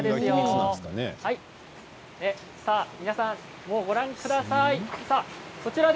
皆さんご覧ください。